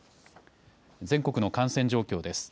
全国の感染状況です。